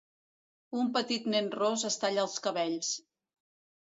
Un petit nen ros es talla els cabells.